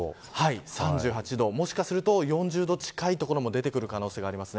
３８度、もしかすると４０度近い所も出てくる可能性があります。